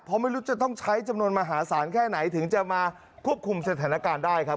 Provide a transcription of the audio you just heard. เพราะไม่รู้จะต้องใช้จำนวนมหาศาลแค่ไหนถึงจะมาควบคุมสถานการณ์ได้ครับ